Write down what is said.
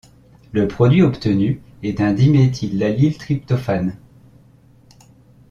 Le produit obtenu est le diméthylallyltryptophane.